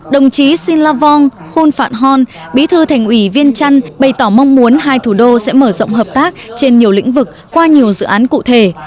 đồng chí xin la vong khôn phạn hon bí thư thành ủy viên trăn bày tỏ mong muốn hai thủ đô sẽ mở rộng hợp tác trên nhiều lĩnh vực qua nhiều dự án cụ thể